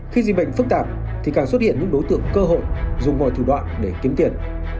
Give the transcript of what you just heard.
khi di bệnh phức tạp thì càng xuất hiện những đối tượng cơ hội dùng mọi thủ đoạn để kiếm tiền